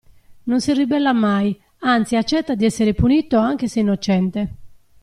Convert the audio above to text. Non si ribella mai, anzi accetta di essere punito anche se innocente.